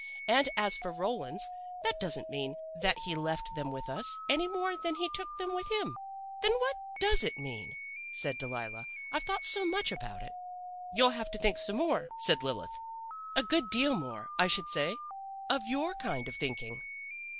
And as for Roland's that doesn't mean that he left them with us, any more than that he took them with him.' "'Then what does it mean?' said Delilah. 'I've thought so much about it.' "'You'll have to think some more,' said Lilith 'a good deal more, I should say of your kind of thinking!